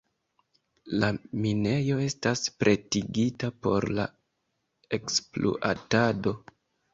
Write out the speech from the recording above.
La minejo estas pretigita por la ekspluatado.